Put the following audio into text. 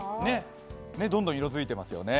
どんどん色づいていますよね。